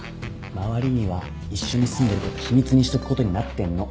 周りには一緒に住んでること秘密にしとくことになってんの。